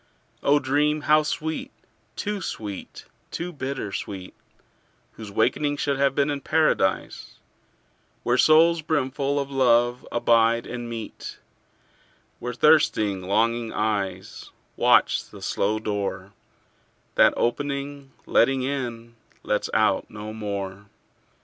O dream how sweet, too sweet, too bitter sweet, Whose wakening should have been in Paradise, Where souls brimful of love abide and meet; Where thirsting longing eyes Watch the slow door That opening, letting in, lets out no more.